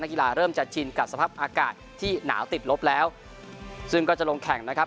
กีฬาเริ่มจะชินกับสภาพอากาศที่หนาวติดลบแล้วซึ่งก็จะลงแข่งนะครับ